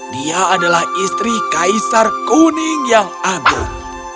dia adalah istri kaisar kuning yang agung